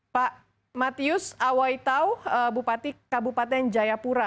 pak matius awaitau bupati kabupaten jayapura